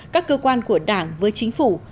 các cơ quan của đảng với chính phủ